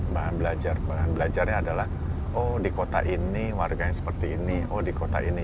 bahan belajar bahan belajarnya adalah oh di kota ini warganya seperti ini oh di kota ini